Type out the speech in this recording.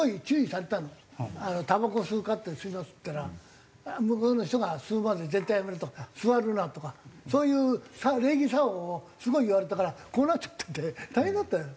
「たばこ吸うか？」って「吸います」って言ったら「向こうの人が吸うまで絶対やめろ」とか「座るな」とかそういう礼儀作法をすごい言われたからこうなっちゃってて大変だったよ。